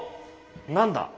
何だ？